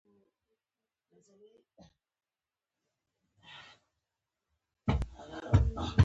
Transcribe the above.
کورن والیس د چارو رییس په حیث تاکل شوی.